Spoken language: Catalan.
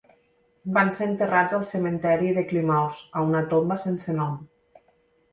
Van ser enterrats al cementiri de Kilmaurs en una tomba sense nom.